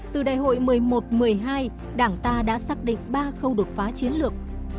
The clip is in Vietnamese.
từ đại hội một mươi một một mươi hai đảng ta đã xác định ba khâu đột phá chiến lược